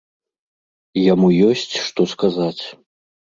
Яму ёсць што сказаць.